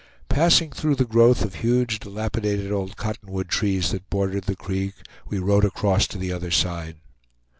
Passing through the growth of huge dilapidated old cottonwood trees that bordered the creek, we rode across to the other side.